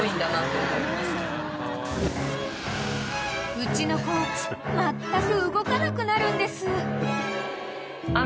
［うちの子まったく動かなくなるんです］